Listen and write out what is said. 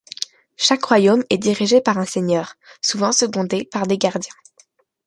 Chaque royaume est dirigé par un seigneur, souvent secondé par des gardiens.